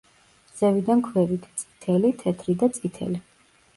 ზევიდან ქვევით: წითელი, თეთრი და წითელი.